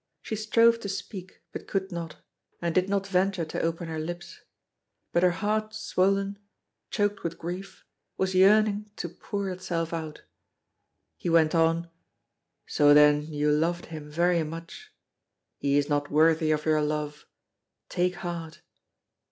She strove to speak, but could not, and did not venture to open her lips. But her heart swollen, choked with grief, was yearning to pour itself out. He went on: "So then you loved him very much. He is not worthy of your love. Take heart!"